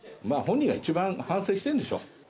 まあ本人が一番反省してるんでしょ。